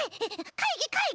かいぎかいぎ！